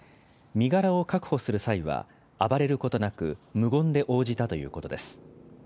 身柄を確保する際は、暴れることなく、無言で応じたということです。